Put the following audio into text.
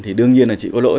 thì đương nhiên là chị có lỗi